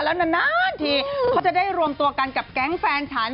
แล้วนานทีเขาจะได้รวมตัวกันกับแก๊งแฟนฉัน